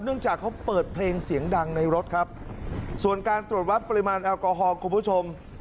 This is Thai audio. จากเขาเปิดเพลงเสียงดังในรถครับส่วนการตรวจวัดปริมาณแอลกอฮอล์คุณผู้ชม